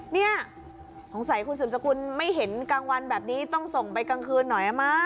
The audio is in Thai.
เนี่ยสงสัยคุณสืบสกุลไม่เห็นกลางวันแบบนี้ต้องส่งไปกลางคืนหน่อยมั้